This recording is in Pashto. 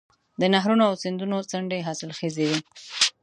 د نهرونو او سیندونو څنډې حاصلخیزې وي.